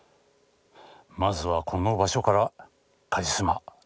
まずはこの場所からカリスマサーチ！